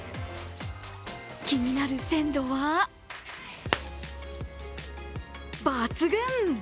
気になる鮮度は抜群！